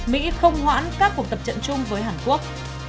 mỹ không hoãn các cuộc tập trận chung với hàn quốc